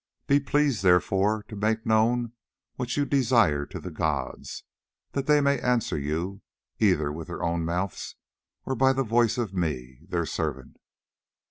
Be pleased therefore to make known what you desire to the gods, that they may answer you, either with their own mouths or by the voice of me, their servant."